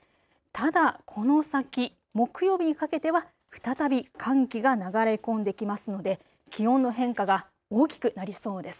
ただ、この先、木曜日にかけては再び寒気が流れ込んできますので気温の変化が大きくなりそうです。